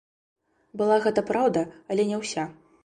Была гэта праўда, але не ўся.